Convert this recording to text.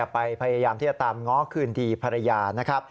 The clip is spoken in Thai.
พยายามที่จะตามง้อคืนดีภรรยานะครับ